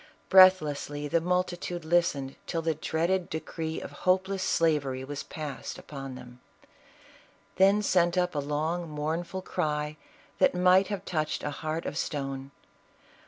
Breathlessly the multitude listened till the dreaded decree of hopeless slavery was passed upon them ; then sent up a long, mournful cry tl\at might have touched a heart of stone.